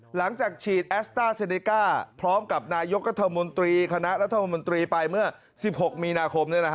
หลังจากฉีดแอสต้าเซเนก้าพร้อมกับนายกรัฐมนตรีคณะรัฐมนตรีไปเมื่อ๑๖มีนาคม